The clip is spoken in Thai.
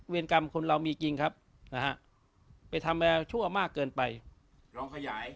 กรรมคนเรามีจริงครับนะฮะไปทำอะไรชั่วมากเกินไปลองขยาย